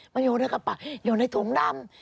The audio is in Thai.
มาอยู่ในกระเป๋าอยู่ในถุงดำ